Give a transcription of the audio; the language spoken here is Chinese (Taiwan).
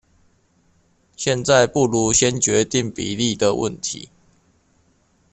現在不如先決定比例的問題